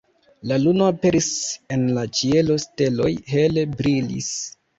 La luno aperis en la ĉielo, steloj hele brilis.